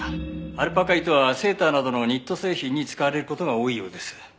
アルパカ糸はセーターなどのニット製品に使われる事が多いようです。